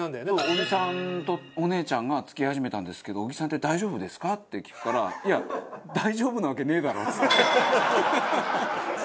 「小木さんとお姉ちゃんが付き合い始めたんですけど小木さんって大丈夫ですか？」って聞くから「いや大丈夫なわけねえだろ！」っつって。